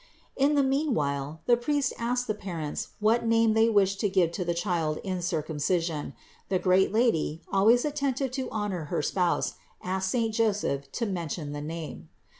In the meanwhile the priest asked the parents what name they wished to give to the Child in Circumcision; the great Lady, always attentive to honor her spouse, asked saint Joseph to mention the name.